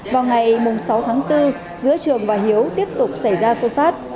vào ngày sáu tháng bốn giữa trường và hiếu tiếp tục xảy ra xô xát